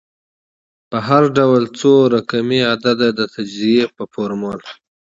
په هر ډول څو رقمي عدد د تجزیې په فورمول